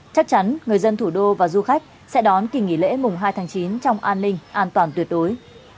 chắc chắn người dân thủ đô và du khách sẽ đón kỳ nghỉ lễ mùng hai tháng chín trong an ninh an toàn tuyệt đối